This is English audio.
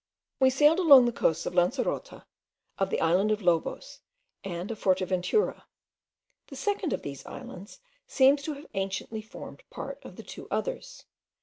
We sailed along the coasts of Lancerota, of the island of Lobos, and of Forteventura. The second of these islands seems to have anciently formed part of the two others.